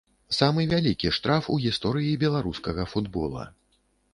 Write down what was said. Самы вялікі штраф у гісторыі беларускага футбола.